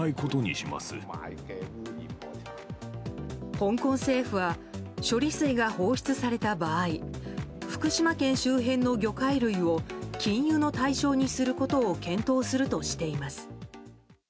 香港政府は処理水が放出された場合福島県周辺の魚介類を禁輸の対象にすることを検討するとしています。